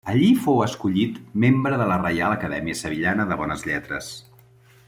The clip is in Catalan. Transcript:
Allí fou escollit membre de la Reial Acadèmia Sevillana de Bones Lletres.